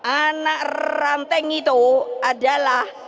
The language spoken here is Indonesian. anak ranting itu adalah